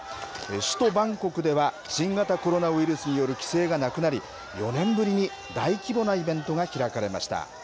首都バンコクでは新型コロナウイルスによる規制がなくなり４年ぶりに、大規模なイベントが開かれました。